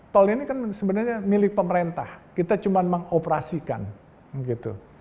tol ini kan sebenarnya milik pemerintah kita cuma mengoperasikan gitu